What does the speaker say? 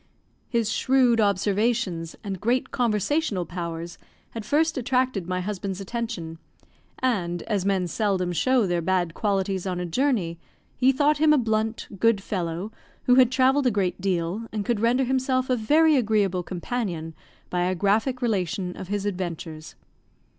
His shrewd observations and great conversational powers had first attracted my husband's attention, and, as men seldom show their bad qualities on a journey, he thought him a blunt, good fellow, who had travelled a great deal, and could render himself a very agreeable companion by a graphic relation of his adventures.